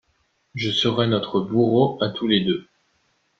Je serai notre bourreau à tous deux.